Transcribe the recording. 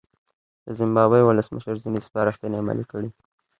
د زیمبابوې ولسمشر ځینې سپارښتنې عملي کړې.